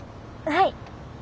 はい。